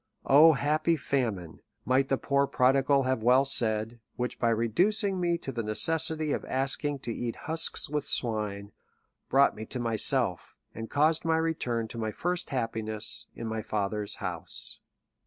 O ^lappy famine! might the poor prodigal have well said, which by reducing me to the necessity of asking to eat husks with swine, brought me to myself, and caused my return to my first happiness, in my father's house.